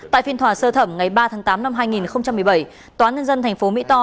tại phiên thòa sơ thẩm ngày ba tháng tám năm hai nghìn một mươi bảy tòa nhân dân tp hcm